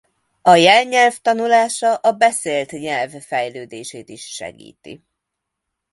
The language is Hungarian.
A jelnyelv tanulása a beszélt nyelv fejlődését is segíti.